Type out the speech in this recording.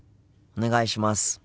お願いします。